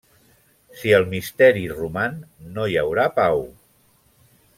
Si el misteri roman, no hi haurà pau.